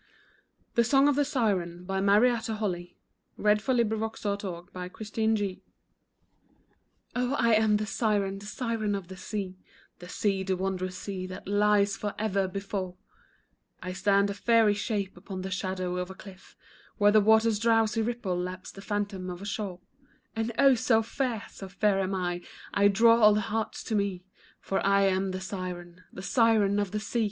our train of handmaids bright, Blessed and beautiful dreams. THE SONG OF THE SIREN. Oh, I am the siren, the siren of the sea, The sea, the wondrous sea, that lies forevermore before; I stand a fairy shape upon the shadow of a cliff Where the water's drowsy ripple laps the phantom of a shore, And, oh, so fair, so fair am I, I draw all hearts to me, For I am the siren, the siren of the sea.